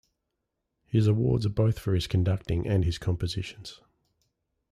His awards are both for his conducting and his compositions.